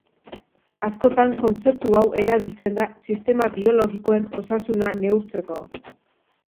Askotan, kontzeptu hau erabiltzen da sistema biologikoen osasuna neurtzeko.